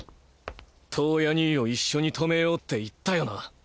燈矢兄を一緒に止めようって言ったよな！？